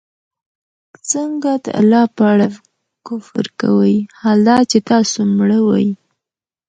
څنگه د الله په اړه كفر كوئ! حال دا چي تاسو مړه وئ